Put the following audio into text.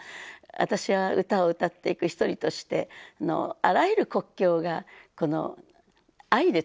私は歌を歌っていく一人としてあらゆる国境がこの愛でつなぐものである。